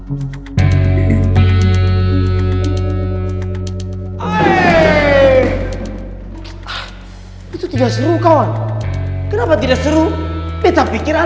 itu tidak seru kawan kenapa tidak seru kita pikir